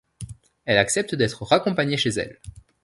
Elle accepte d'être raccompagnée chez elle.